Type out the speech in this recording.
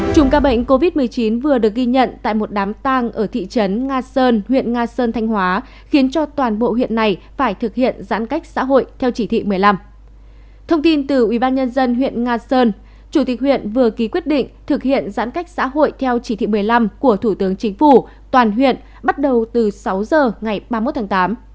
chủ tịch huyện vừa ký quyết định thực hiện giãn cách xã hội theo chỉ thị một mươi năm của thủ tướng chính phủ toàn huyện bắt đầu từ sáu h ngày ba mươi một tháng tám